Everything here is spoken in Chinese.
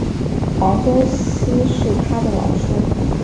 黄宗羲是他的老师。